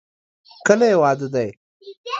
کله یې واده دی؟